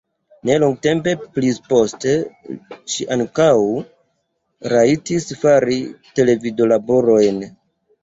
Ne longtempe pliposte ŝi ankaŭ rajtis fari televidolaborojn.